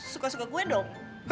suka suka gue dong